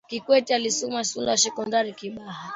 kikwete alisoma shule ya sekondari kibaha